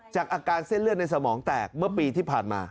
อาการเส้นเลือดในสมองแตกเมื่อปีที่ผ่านมา